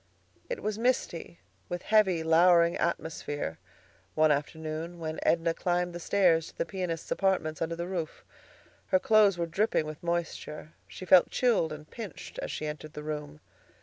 It was misty, with heavy, lowering atmosphere, one afternoon, when Edna climbed the stairs to the pianist's apartments under the roof. Her clothes were dripping with moisture. She felt chilled and pinched as she entered the room.